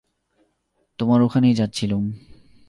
তোমার ওখানেই যাচ্ছিলুম।